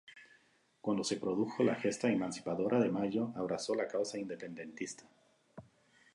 Cuando se produjo la gesta emancipadora de Mayo, abrazó la causa independentista.